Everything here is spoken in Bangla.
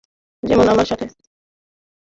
যেমন আমার সাথে?